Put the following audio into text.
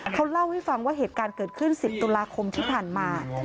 เขาเล่าให้ฟังว่าเหตุการณ์เกิดขึ้น๑๐ตุลาคมที่ผ่านมา